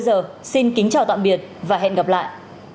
tỉnh quảng hải